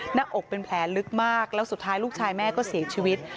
หน้าอกเป็นแผลลึกมากแล้วสุดท้ายลูกชายแม่ก็เสียชีวิต